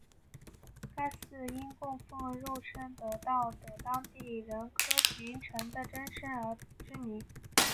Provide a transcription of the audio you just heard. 该寺因供奉肉身得道的当地人柯云尘的真身而知名。